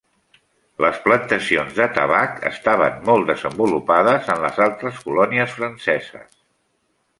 Les plantacions de tabac estaven molt desenvolupades en les altres colònies franceses.